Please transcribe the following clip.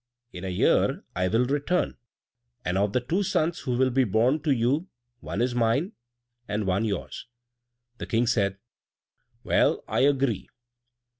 in a year I will return, and of the two sons who will be born to you one is mine and one yours." The King said, "Well, I agree."